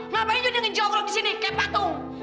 ngapain juga dia ngejokrok di sini kayak patung